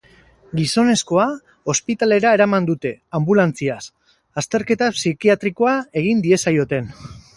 Gizonezkoa ospitalera eraman dute, anbulantziaz, azterketa psikiatrikoa egin diezaioten.